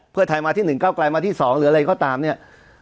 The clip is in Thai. เพื่อไทยมาที่๑๙กลายมาที่๒หรืออะไรก็ตามเนี่ย